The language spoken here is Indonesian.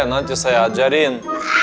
nanti saya ajarin